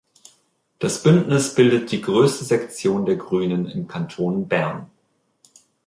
Das Bündnis bildet die grösste Sektion der Grünen im Kanton Bern.